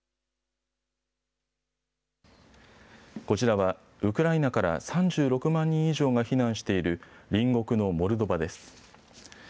こちらはウクライナから３６万人以上が避難している隣国のモルドバです。